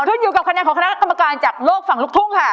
ขึ้นอยู่กับคะแนนของคณะกรรมการจากโลกฝั่งลูกทุ่งค่ะ